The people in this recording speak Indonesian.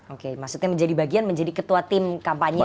oke maksudnya menjadi bagian menjadi ketua tim kampanye